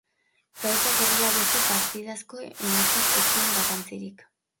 Gauzak horrela, beste partidako emaitzak ez zuen garrantzirik.